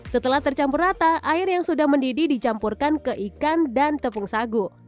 setelah tercampur rata air yang sudah mendidih dicampurkan ke ikan dan tepung sagu